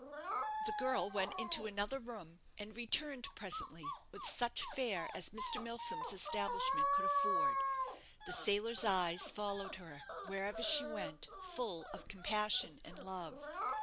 The girl went into another room, and returned presently with such fare as Mr. Milsom's establishment could afford. The sailor's eyes followed her wherever she went, full of compassion and love.